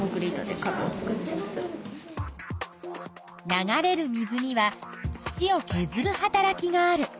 流れる水には土をけずるはたらきがある。